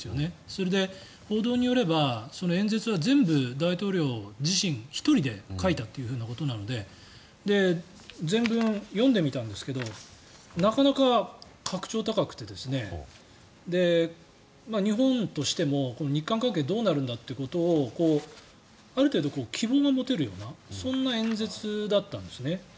それで、報道によれば演説は全部大統領自身が１人で書いたということなので全文、読んでみたんですけどなかなか格調高くて日本としても日韓関係どうなるんだということをある程度、希望が持てるようなそんな演説だったんですね。